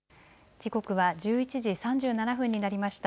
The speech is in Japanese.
時刻は１１時３７分になりました。